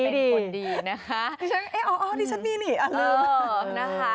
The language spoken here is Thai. อ๋อดิฉันมีนี่อ่ะลืม